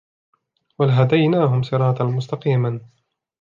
وَلَهَدَيْنَاهُمْ صِرَاطًا مُسْتَقِيمًا